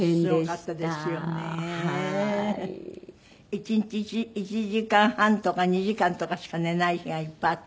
１日１時間半とか２時間とかしか寝ない日がいっぱいあった？